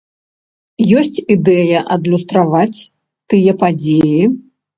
Ёсць ідэя адлюстраваць тыя падзеі?